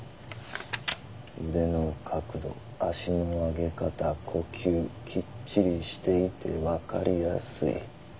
「腕の角度足の上げ方呼吸きっちりしていてわかりやすい」。